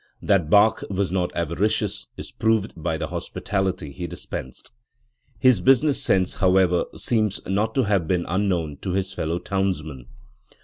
That Bach was not avaricious is proved by the hospitality he dispensed. His business sense, however, seems not to have been un known to his fellow townsmen.